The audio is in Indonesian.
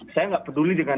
saya nggak peduli dengan